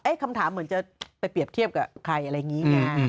คำถามเหมือนจะไปเปรียบเทียบกับใครอะไรอย่างนี้ไง